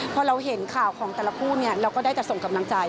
พอเราเห็นข่าวของแต่ละคู่เนี่ยเราก็ได้แต่ส่งกำลังใจ